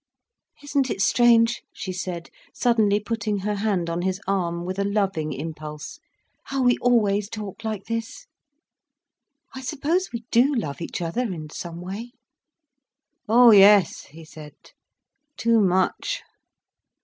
"Isn't it strange," she said, suddenly putting her hand on his arm, with a loving impulse, "how we always talk like this! I suppose we do love each other, in some way." "Oh yes," he said; "too much."